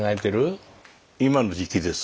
今の時期です。